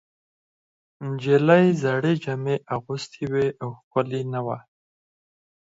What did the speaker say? نجلۍ زړې جامې اغوستې وې او ښکلې نه وه.